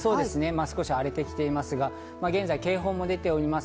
少し荒れてきていますが現在、警報が出ております。